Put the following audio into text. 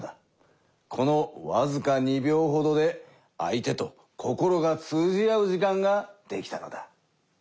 このわずか２秒ほどで相手と心が通じ合う時間ができたのだ。